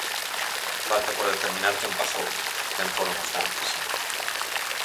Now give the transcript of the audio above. Falta por determinar quen pagou, quen foron os dantes.